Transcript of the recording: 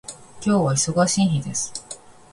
今日は忙しい日です